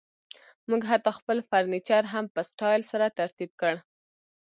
موږ حتی خپل فرنیچر په سټایل سره ترتیب کړ